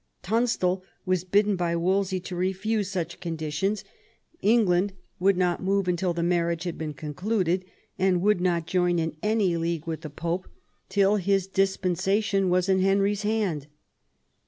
Tunstal was bidden by Wolsey to refuse such conditions. 68 THOMAS WOLSEY chap. England would not move until the marriage had been concluded, and would not join in any league with the Pope till his dispensation was in Henry's hand.